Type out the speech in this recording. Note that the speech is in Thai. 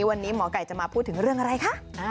วันนี้หมอไก่จะมาพูดถึงเรื่องอะไรคะ